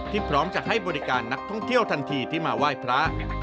พร้อมจะให้บริการนักท่องเที่ยวทันทีที่มาไหว้พระ